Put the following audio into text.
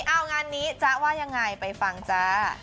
เอางานนี้จ๊ะว่ายังไงไปฟังจ้า